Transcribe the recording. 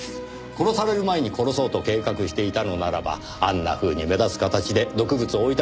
殺される前に殺そうと計画していたのならばあんなふうに目立つ形で毒物を置いたりしませんよ。